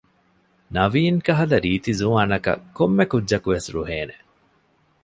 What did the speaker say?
ނަވީން ކަހަލަ ރީތި ޒުވާނަކަށް ކޮންމެކުއްޖަކުވެސް ރުހޭނެ